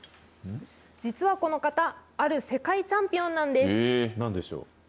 実はこの方、ある世界チャンピオなんでしょう。